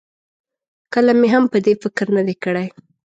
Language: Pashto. کله مې هم په دې فکر نه دی کړی.